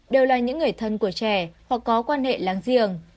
đều là những người thân của trẻ hoặc có quan hệ láng giềng